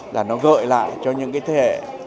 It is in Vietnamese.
là nó gợi lại cho những cái thế hệ